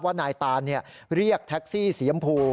ว่านายทัศน์เรียกแท็กซี่สียำพู